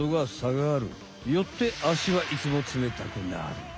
よってあしはいつもつめたくなる。